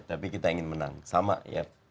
tapi kita ingin menang sama ya